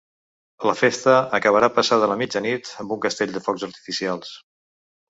La festa acabarà passada la mitjanit amb un castell de focs artificials.